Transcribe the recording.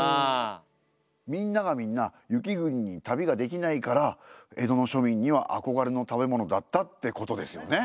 みんながみんな雪国に旅ができないから江戸の庶民には憧れの食べ物だったってことですよね？